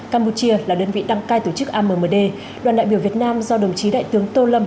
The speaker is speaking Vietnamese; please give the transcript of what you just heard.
campuchia là đơn vị đăng cai tổ chức ammd đoàn đại biểu việt nam do đồng chí đại tướng tô lâm